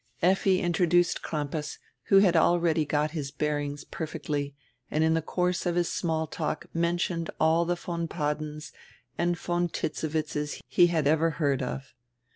Effi introduced Crampas, who had already got his bear ings perfectly and in die course of his small talk mentioned all die von Paddens and von Titzewitzes he had ever heard of.